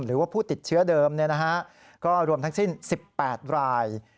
หรือว่าผู้ติดเชื้อเดิมก็รวมทั้งสิ้น๑๘ราย